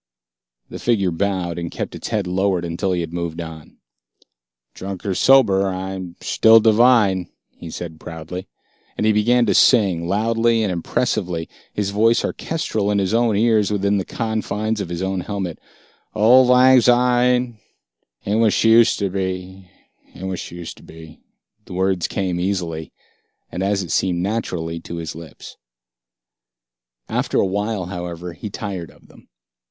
The figure bowed, and kept its head lowered until he had moved on. "Drunk or sober, I'm shtill divine," he said proudly. And he began to sing, loudly and impressively, his voice orchestral in his own ears within the confines of the helmet. "Ould Lang Shyne, she ain't what she ushed to be, ain't what she ushed to be " The words came easily, and as it seemed, naturally to his lips. After awhile, however, he tired of them.